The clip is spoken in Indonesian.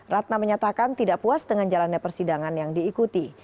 ratna menyatakan tidak puas dengan jalannya persidangan yang diikuti